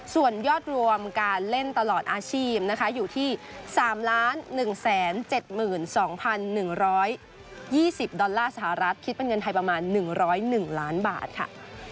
ส่วนยอดรวมการเล่นตลอดอาชีพนะคะอยู่ที่๓๑๗๒๑๒๐ดอลลาร์สหรัฐคิดเป็นเงินไทยประมาณ๑๐๑ล้านบาทค่ะ